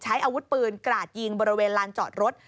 ใช้อาวุธปืนกราดยิงบริเวณลานจอดรถ